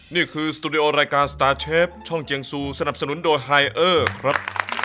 นี่คือสตูดิโอรายการสตาร์เชฟช่องเจียงซูสนับสนุนโดยไฮเออร์ครับ